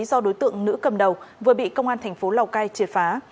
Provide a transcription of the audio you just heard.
do đối tượng nữ cầm đầu vừa bị công an thành phố lào cai triệt phá